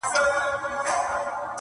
o پر خره سپور، خر ځني ورک٫